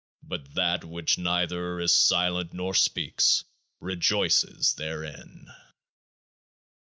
But THAT which neither is silent, nor speaks, rejoices therein.